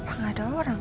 apa gak ada orang